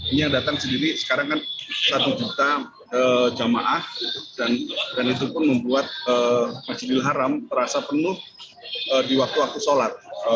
ini yang datang sendiri sekarang kan satu juta jamaah dan itu pun membuat masjidil haram terasa penuh di waktu waktu sholat